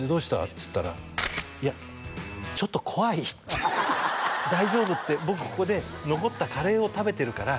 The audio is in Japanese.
っつったら「いやちょっと怖い」って「大丈夫」って「僕ここで残ったカレーを食べてるから」